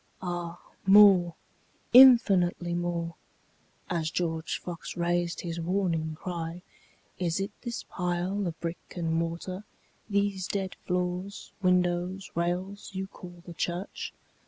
Ah more, infinitely more; (As George Fox rais'd his warning cry, "Is it this pile of brick and mortar, these dead floors, windows, rails, you call the church?